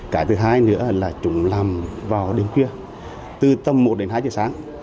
cái thứ hai nữa là chúng làm vào đêm khuya từ tâm một đến hai giờ sáng